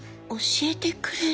教えてくれる？